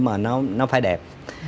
mà nó phải đẹp